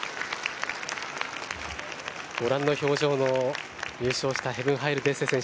ご覧の表情の優勝したヘヴン・ハイル・デッセ選手